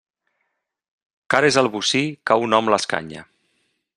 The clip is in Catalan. Car és el bocí, que a un hom l'escanya.